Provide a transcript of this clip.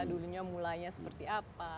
dulunya mulainya seperti apa